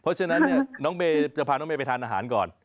เพราะฉะนั้นเนี่ยน้องเมย์จะพาน้องเมย์ไปทานอาหารก่อน